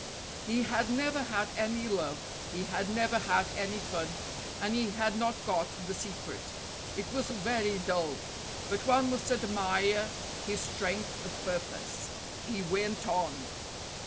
He had never had any love; he had never had any fun; and he had not got the secret. It was very dull, but one must admire his strength of purpose. He went on.